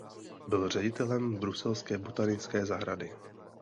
Byl ředitelem bruselské botanické zahrady.